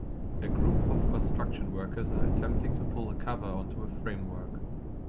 A group of construction workers are attempting to pull a cover onto a framework.